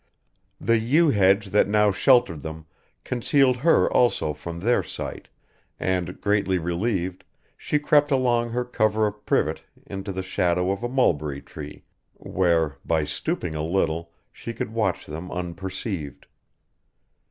The yew hedge that now sheltered them concealed her also from their sight, and, greatly relieved, she crept along her cover of privet into the shadow of a mulberry tree where, by stooping a little, she could watch them unperceived.